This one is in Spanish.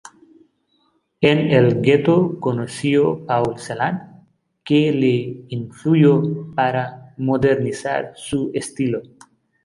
En el gueto conoció Paul Celan, que le influyó para modernizar su estilo.